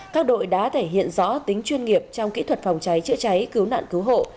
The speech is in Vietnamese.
các đội đã thể hiện rõ tính chuyên nghiệp trong kỹ thuật phòng cháy chữa cháy cứu nạn cứu hộ